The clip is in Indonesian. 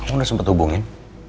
udah sempet hubungin